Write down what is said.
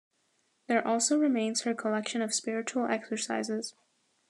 There also remains her collection of Spiritual Exercises.